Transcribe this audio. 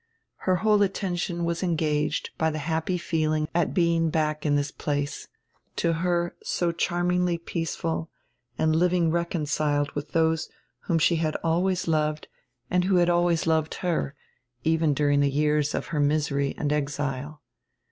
Her whole attention was engaged by die happy feel ing at being back in diis place, to her so charmingly peace ful, and living reconciled widi those whom she had always loved and who had always loved her, even during the years of her misery and exile.